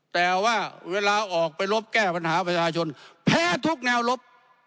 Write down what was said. แต่ว่าเวลาออกไปรบแก้ปัญหาประชาชนแพ้ทุกแนวลบ